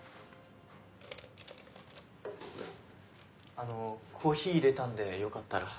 あのコーヒー入れたんでよかったら。